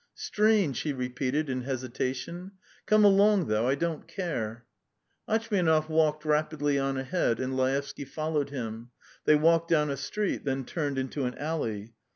"Strange," he repeated in hesitation. "Come along, though; I don't care." Atchmianov walked rapidly on ahead and Laevsky followed him. They walked down a street, then turned into an alley.